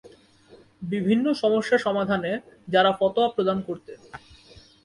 বিভিন্ন সমস্যা সমাধানে যারা ফতোয়া প্রদান করতেন।